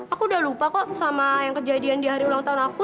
aku udah lupa kok sama yang kejadian di hari ulang tahun aku